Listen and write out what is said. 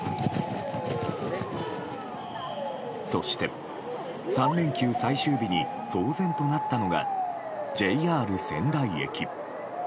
そして、３連休最終日に騒然となったのがＪＲ仙台駅。